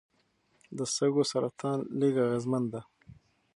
د سږو سرطان لږ اغېزمن دی.